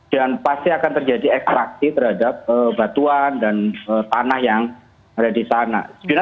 dan pasti akan terjadi ekstraksi terhadap batuan dan tanah yang ada di sana